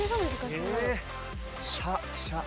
「しゃ」「しゃ」。